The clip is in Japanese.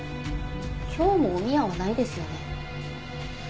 今日もおみやはないですよね？